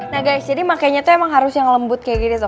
nah guys jadi makanya tuh emang harus yang lembut kayak gini